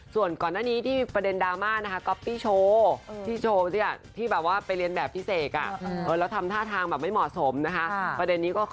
ส่วนก่อนหน้านี้ที่มีประเด็นดราม่านะคะก็